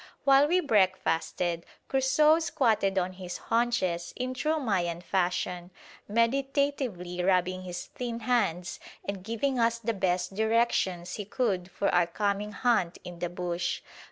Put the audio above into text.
While we breakfasted, Crusoe squatted on his haunches in true Mayan fashion, meditatively rubbing his thin hands and giving us the best directions he could for our coming hunt in the bush.